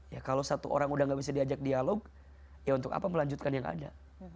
ya kalau satu orang udah gak bisa diajak dialog ya untuk apa melanjutkan yang ada